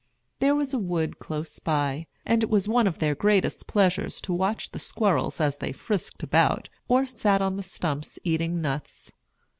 There was a wood close by, and it was one of their greatest pleasures to watch the squirrels as they frisked about, or sat on the stumps eating nuts.